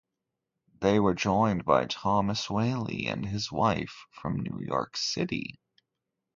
They were joined by Thomas Whaley and his wife, from New York City.